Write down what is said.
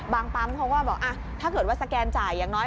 ปั๊มเขาก็บอกถ้าเกิดว่าสแกนจ่ายอย่างน้อย